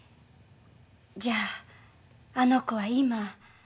じゃああの子は今。